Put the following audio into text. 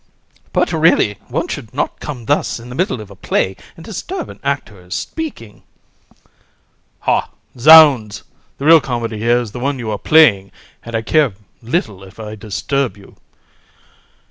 COUN. But, really, one should not come thus in the middle of a play and disturb an actor who is speaking. HAR. Hah! zounds, the real comedy here is the one you are playing, and I care little if I disturb you. COUN.